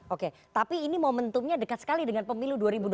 oke tapi ini momentumnya dekat sekali dengan pemilu dua ribu dua puluh